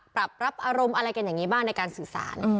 ปรับรับอารมณ์อะไรกันอย่างนี้บ้างในการสื่อสาร